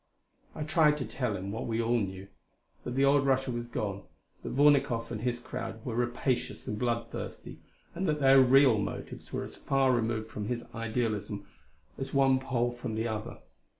I tried to tell him what we all knew; that the old Russia was gone, that Vornikoff and his crowd were rapacious and bloodthirsty, that their real motives were as far removed from his idealism as one pole from the other.